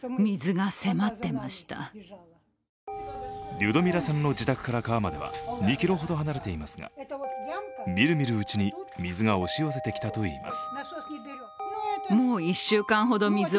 リュドミラさんの自宅から川までは２ｋｍほど離れていますがみるみるうちに、水が押し寄せてきたといいます。